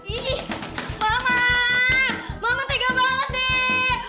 ih mama tega banget deh